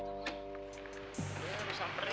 ya bisa perin